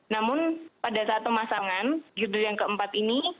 namun pada saat pemasangan girder yang keempat ini